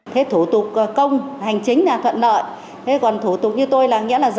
thế thủ tục công hành chính là thuận lợi thế còn thủ tục như tôi là nghĩa là gì